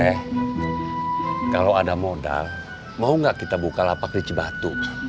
eh kalau ada modal mau gak kita buka lapak ricibatu